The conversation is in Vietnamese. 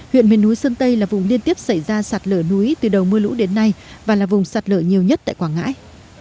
huyện miền núi sơn tây là vùng liên tiếp xảy ra sạt lở núi từ đầu mưa lũ đến nay và là vùng sạt lở nhiều nhất tại quảng ngãi